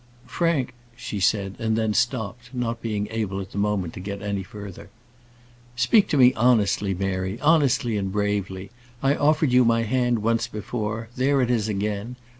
"Frank," she said, and then stopped; not being able at the moment to get any further. "Speak to me honestly, Mary; honestly and bravely. I offered you my hand once before; there it is again.